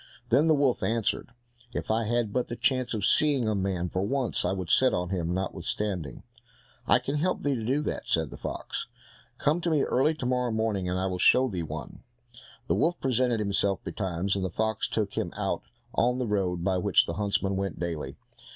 Then the wolf answered, "If I had but the chance of seeing a man for once, I would set on him notwithstanding." "I can help thee to do that," said the fox. "Come to me early to morrow morning, and I will show thee one." The wolf presented himself betimes, and the fox took him out on the road by which the huntsmen went daily.